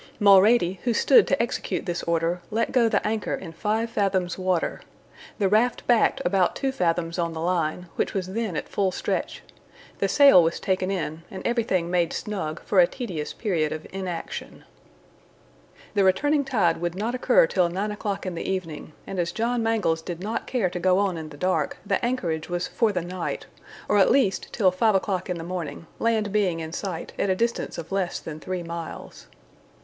Mulrady, who stood to execute this order, let go the anchor in five fathoms water. The raft backed about two fathoms on the line, which was then at full stretch. The sail was taken in, and everything made snug for a tedious period of inaction. The returning tide would not occur till nine o'clock in the evening; and as John Mangles did not care to go on in the dark, the anchorage was for the night, or at least till five o'clock in the morning, land being in sight at a distance of less than three miles.